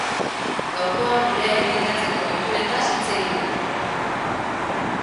Gaurkoan gure elikatzeko ohituretaz hitz egin digu.